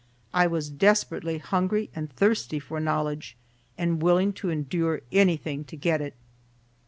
I was desperately hungry and thirsty for knowledge and willing to endure anything to get it.